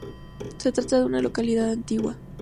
Se trata de una localidad antigua.